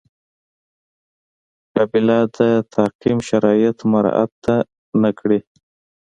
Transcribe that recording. قابله د تعقیم شرایط مراعات نه کړي.